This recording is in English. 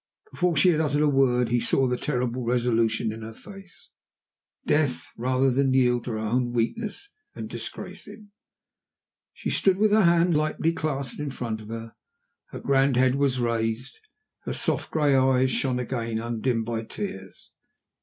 Before she had uttered a word he saw the terrible resolution in her face Death, rather than yield to her own weakness and disgrace him. She stood with her hands lightly clasped in front of her. Her grand head was raised; her soft gray eyes shone again undimmed by tears.